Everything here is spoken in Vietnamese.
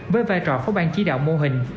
với vai trò phố ban chí đạo mô hình